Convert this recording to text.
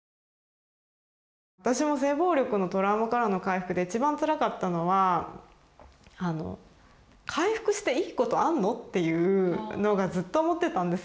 私も性暴力のトラウマからの回復で一番つらかったのは「回復していいことあんの？」っていうのがずっと思ってたんですよ。